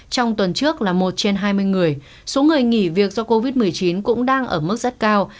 trong tuần trước là một trên hai mươi người số người nghỉ việc do covid một mươi chín cũng đang ở mức rất cao